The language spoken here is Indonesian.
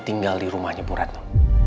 tinggal di rumahnya puranto